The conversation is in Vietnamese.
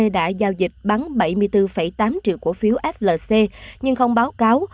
đã giao dịch bắn bảy mươi bốn tám triệu cổ phiếu flc nhưng không báo cáo